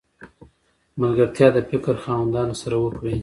ملګرتیا د فکر خاوندانو سره وکړئ!